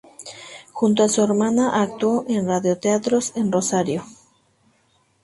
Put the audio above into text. Junto a su hermana actuó en radioteatros en Rosario.